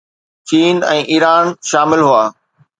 چين ۽ ايران شامل هئا